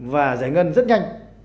và giải ngân rất nhanh